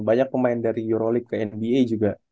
banyak pemain dari euro league ke nba juga